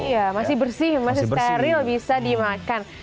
iya masih bersih masih steril bisa dimakan